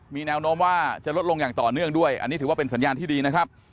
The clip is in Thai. มีแนวโน้มว่าจะลดลงอย่างต่อเนื่องด้วยอันนี้ถือว่าเป็นสัญญาณที่ดีนะครับ